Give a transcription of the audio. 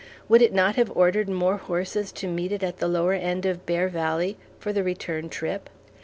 Would it not have ordered more horses to meet it at the lower end of Bear Valley for the return trip?